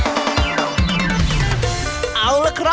สวัสดีค่ะ